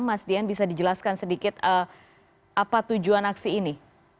mas dian bisa dijelaskan sedikit apa tujuan aksi ini